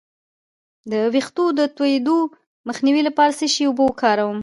د ویښتو د تویدو مخنیوي لپاره د څه شي اوبه وکاروم؟